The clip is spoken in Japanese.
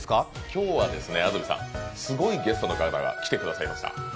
今日はすごいゲストの方が来てくださいました。